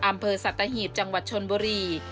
อำเภอสัตหีบจังหวัดชนบุรี